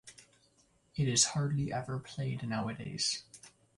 It is hardly ever played nowadays.